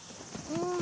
うん。